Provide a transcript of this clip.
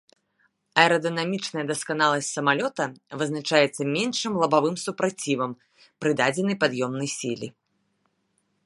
Аэрадынамічная дасканаласць самалёта вызначаецца меншым лабавым супрацівам пры дадзенай пад'ёмнай сіле.